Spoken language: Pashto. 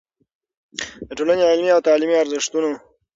د ټولنې علمي او تعليمي ارزښتونو